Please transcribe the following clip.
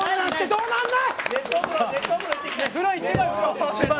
どうなんだ。